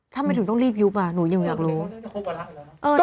ทำไมถึงต้องรีบยุบอ่ะหนูยังอยากรู้